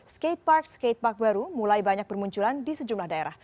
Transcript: skatepark skatepark baru mulai banyak bermunculan di sejumlah daerah